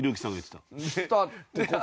したって事。